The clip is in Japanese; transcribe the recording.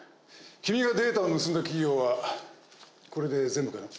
君がデータを盗んだ企業はこれで全部かな？